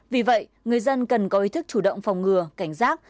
vì vậy người dân cần có ý thức chủ động phòng ngừa cảnh giác